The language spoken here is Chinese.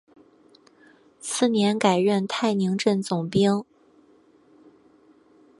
次年改任泰宁镇总兵。